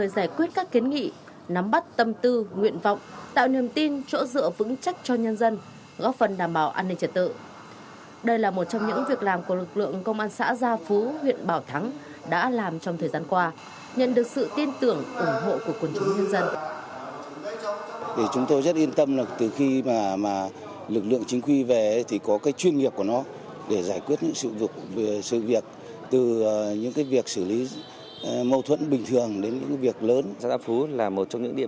giải quyết kịp thời vụ việc liên quan đến an ninh trật tự ngay từ cơ sở